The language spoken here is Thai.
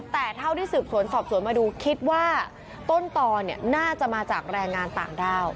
แต่เท่าที่สืบสวนสอบสวนมาดูคิดว่าต้นตอนน่าจะมาจากแรงงานต่างด้าว